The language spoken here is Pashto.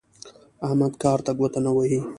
احمد کار ته ګوته نه وهي.